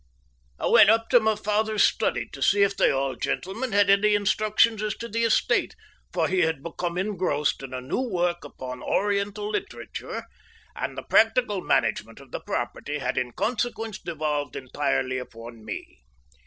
I went up to my father's study to see if the old gentleman had any instructions as to the estate, for he had become engrossed in a new work upon Oriental literature, and the practical management of the property had in consequence devolved entirely upon me.